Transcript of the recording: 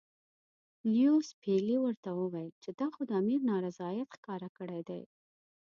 لیویس پیلي ورته وویل چې دا خو امیر نارضاییت ښکاره کړی دی.